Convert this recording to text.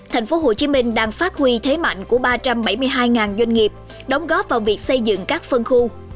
thành phố hồ chí minh đang phát huy thế mạnh của ba trăm bảy mươi hai doanh nghiệp đóng góp vào việc xây dựng các phân khu